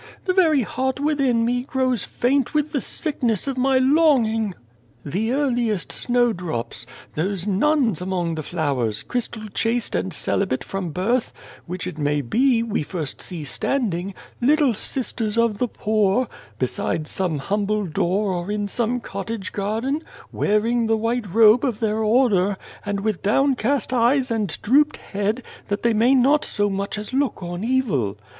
The very heart within me grows faint with the sickness of my longing 278 Without a Child The earliest snowdrops those nuns among the flowers, crystal chaste and celibate from birth which it may be, we first see standing 'little Sisters of the Poor' beside some humble door or in some cottage garden, wearing the white robe of their order, and with downcast eyes and drooped head, that they may not so much as look on evil.